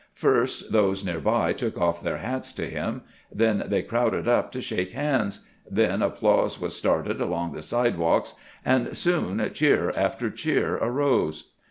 First those near by took off their hats to him ; then they crowded up to shake hands ; then applause was started along the sidewalks, and soon cheer after cheer arose.